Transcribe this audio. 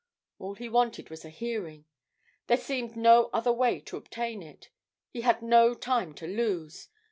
All he wanted was a hearing; there seemed no other way to obtain it; he had no time to lose.